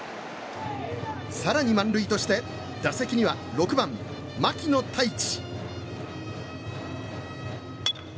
更に、満塁として打席には６番、牧野太一。